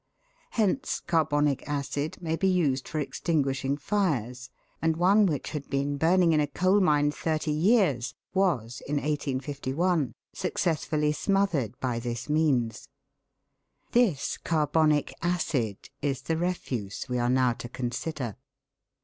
Hence carbonic acid may be used for extinguishing fires, and one which had been burning in a coal mine thirty years was, in 1851, successfully smothered by this means. This carbonic acid is the refuse we are now to consider.